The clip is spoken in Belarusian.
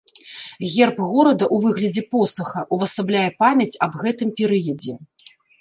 Герб горада ў выглядзе посаха ўвасабляе памяць аб гэтым перыядзе.